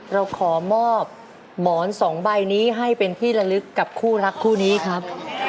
เราขอมอบหมอนสองใบนี้ให้เป็นที่ละลึกกับคู่รักคู่นี้ครับ